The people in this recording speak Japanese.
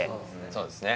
そうですね